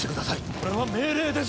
これは命令です！